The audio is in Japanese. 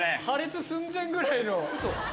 破裂寸前ぐらいの。